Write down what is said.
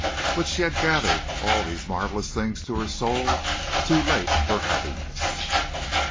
But she had gathered all these marvelous things to her soul too late for happiness.